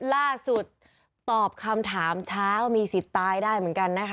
ล่าสุดตอบคำถามเช้ามีสิทธิ์ตายได้เหมือนกันนะคะ